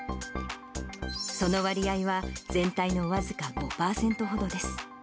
その割合は全体の僅か５％ほどです。